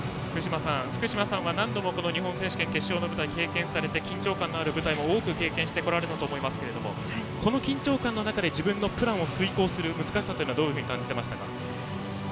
福島さんは何度もこの日本選手権決勝の舞台経験されて、緊張感のある舞台も多く経験されたと思いますがこの緊張感の中で自分のプランを遂行する難しさはどう感じていましたか。